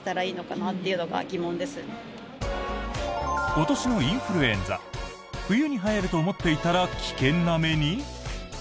今年のインフルエンザ冬にはやると思っていたら危険な目に？